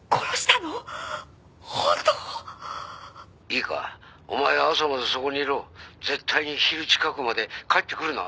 「いいかお前は朝までそこにいろ」「絶対に昼近くまで帰ってくるな」